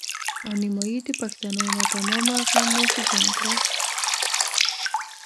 او نيمایي د پښتنو ناتمامه غم نوش جان کړه.